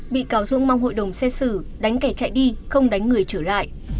bị cáo dung mong hội đồng xét xử đánh kẻ chạy đi không đánh người trở lại